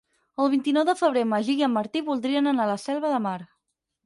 El vint-i-nou de febrer en Magí i en Martí voldrien anar a la Selva de Mar.